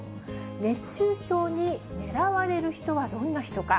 熱中症にねらわれる人はどんな人か。